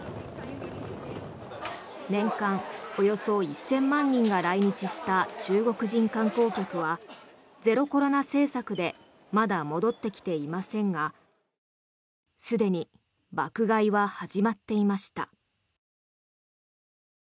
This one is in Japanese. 年間およそ１０００万人が来日した中国人観光客はゼロコロナ政策でまだ戻ってきていませんがすでに爆買いは始まっていました。